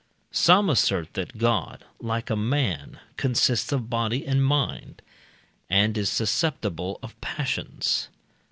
Some assert that God, like a man, consists of body and mind, and is susceptible of passions.